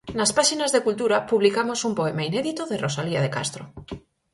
Nas páxinas de Cultura publicamos un poema inédito de Rosalía de Castro.